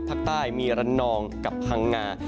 ภาคใต้มีระนองกับพังงา